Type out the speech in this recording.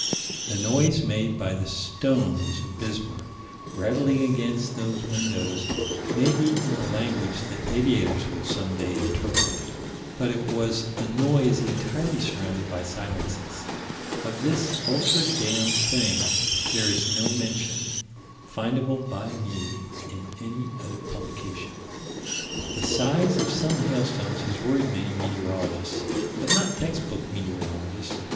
The noise made by the stones of Bismarck, rattling against those windows, may be in a language that aviators will some day interpret: but it was a noise entirely surrounded by silences. Of this ultra damned thing, there is no mention, findable by me, in any other publication. The size of some hailstones has worried many meteorologists but not text book meteorologists.